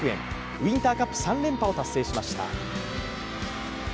ウインターカップ３連覇を達成しました。